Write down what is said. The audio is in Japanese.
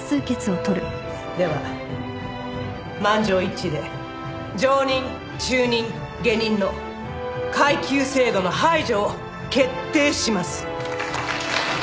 では満場一致で上忍中忍下忍の階級制度の排除を決定します。